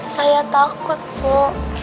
saya takut mbak